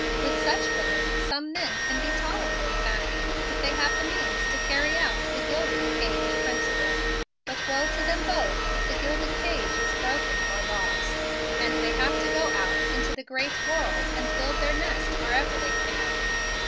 With such women, some men can be tolerably happy, if they have the means to carry out the "gilded cage" principle; but woe to them both if the gilded cage is broken or lost, and they have to go out into the great world and build their nest wherever they can.